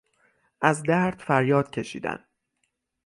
از درد فریاد کشیدن